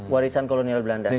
warisan kolonial belanda